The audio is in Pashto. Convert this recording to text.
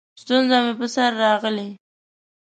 ستونزه مې په سر راغلې؛